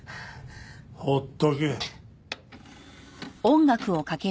放っとけ。